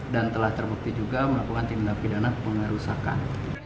dan telah terbukti juga melakukan tindak pidana pengerusakan